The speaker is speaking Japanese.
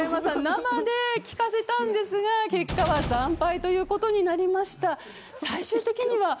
生で聞かせたんですが結果は惨敗という事になりました。